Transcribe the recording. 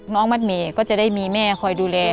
น้องมัดเหมย์ก็จะได้มีแม่คอยดูแล